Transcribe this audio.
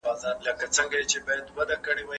کوم تدابير بايد ونيول سي؟